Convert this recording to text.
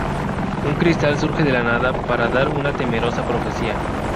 Un cristal surge de la nada para dar una temerosa profecía.